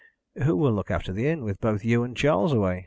"Who will look after the inn, with both you and Charles away?"